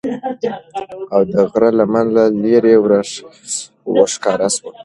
او د غره لمن له لیری ورښکاره سول